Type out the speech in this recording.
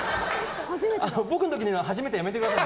僕の時に初めてやめてください。